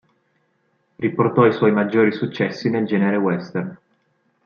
Riportò i suoi maggiori successi nel genere western.